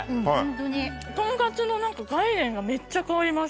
トンカツの概念がめっちゃ変わります。